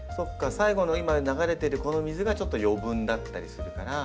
最後の今流れてるこの水がちょっと余分だったりするから。